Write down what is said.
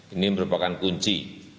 ini merupakan kunci